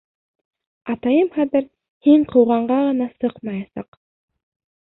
Атайым хәҙер һин ҡыуғанға ғына сыҡмаясаҡ.